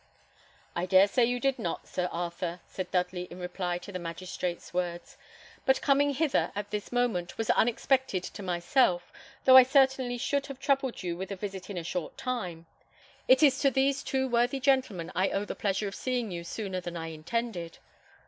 "I dare say you did not, Sir Arthur," said Dudley, in reply to the magistrate's words. "My coming hither, at this moment, was unexpected to myself, though I certainly should have troubled you with a visit in a short time. It is to these two worthy gentlemen I owe the pleasure of seeing you sooner than I intended."